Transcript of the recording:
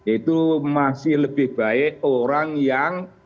itu masih lebih baik orang yang